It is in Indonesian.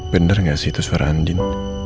bener gak sih itu suara andin